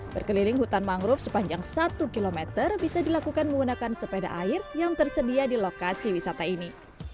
berkeliling hutan mangrove sepanjang satu km bisa dilakukan menggunakan sepeda air yang tersedia di lokasi wisata ini